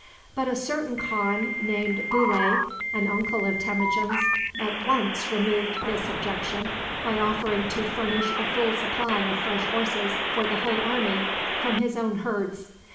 But a certain khan, named Bulay, an uncle of Temujin's, at once removed this objection by offering to furnish a full supply of fresh horses for the whole army from his own herds.